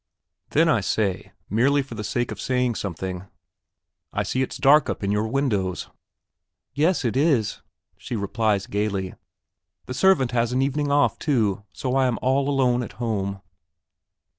Then I say, merely for the sake of saying something: "I see it's dark up in your windows." "Yes, it is," she replies gaily; "the servant has an evening off, too, so I am all alone at home."